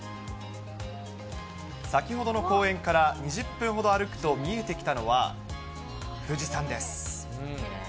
先ほどの公園から２０分ほど歩くと見えてきたのは、富士山です。